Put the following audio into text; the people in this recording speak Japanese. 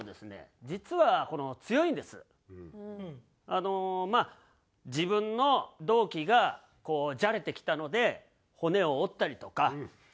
あのまあ自分の同期がこうじゃれてきたので骨を折ったりとか。